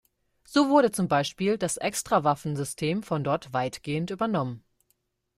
So wurde zum Beispiel das Extrawaffen-System von dort weitgehend übernommen.